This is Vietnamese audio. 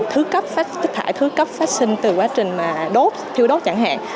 tại vì những cái loại thức thải thứ cấp phát sinh từ quá trình thiêu đốt chẳng hạn